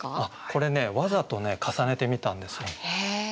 これねわざとね重ねてみたんですね。